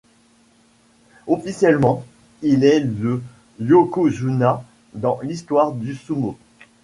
Officiellement, il est le yokozuna dans l'histoire du sumo.